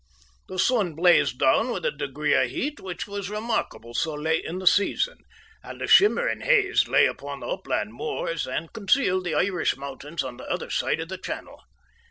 The sun blazed down with a degree of heat which was remarkable so late in the season, and a shimmering haze lay upon the upland moors and concealed the Irish mountains on the other side of the Channel.